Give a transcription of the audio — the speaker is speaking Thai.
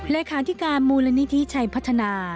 เลขาธิการมูลนิธิชัยพัฒนา